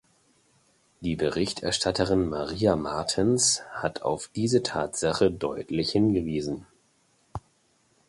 Die Berichterstatterin Maria Martens hat auf diese Tatsache deutlich hingewiesen.